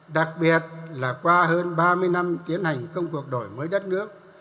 đặc biệt là qua hơn ba mươi năm tiến hành công cuộc đổi mới đất nước